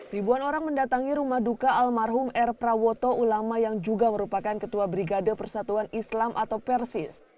ribuan orang mendatangi rumah duka almarhum r prawoto ulama yang juga merupakan ketua brigade persatuan islam atau persis